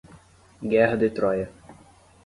Guerra de Troia